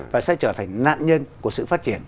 và sẽ trở thành nạn nhân của sự phát triển